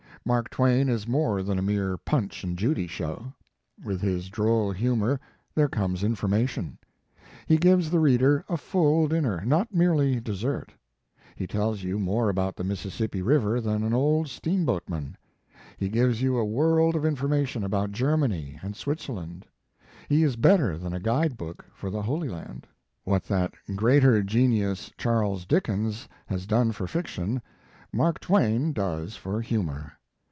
Mark Twain is more than a mere Punch and Judy show. With his droll humor there comes information. He gives the reader a full dinner, not merely dessert. He tells you more about the Mississippi river than an old steamboatman. He gives you a world of information about Germany and Switzerland. He is better than a guide book for the Holy Land. What that greater genius Charles Dickens has done for fiction, Mark Twain does for humor.